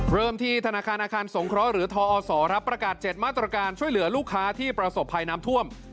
เริ่มที่ธนาคารอาคารสงเคราะห์หรือทอศประกาศ๗มาตรการช่วยเหลือลูกค้าที่ประสบภัยน้ำท่วม